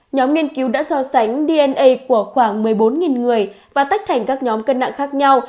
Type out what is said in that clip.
nhóm nghiên cứu đã so sánh dna của khoảng một mươi bốn người và tách thành các nhóm cân nặng khác nhau